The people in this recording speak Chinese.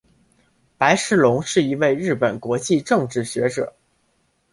白石隆是一名日本国际政治学者。